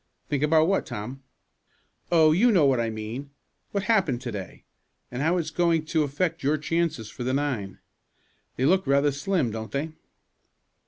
"Think about what, Tom?" "Oh, you know what I mean what happened to day, and how it's going to affect your chances for the nine. They look rather slim, don't they?"